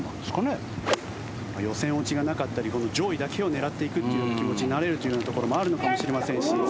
予選落ちがなかったり上位だけを狙っていくっていう気持ちになれるというところもあるのかもしれませんし。